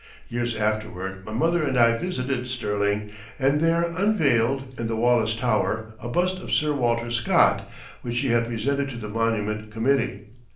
Years afterward my mother and I visited Stirling, and there unveiled, in the Wallace Tower, a bust of Sir Walter Scott, which she had presented to the monument committee.